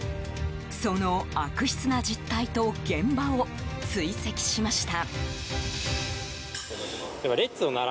その悪質な実態と現場を追跡しました。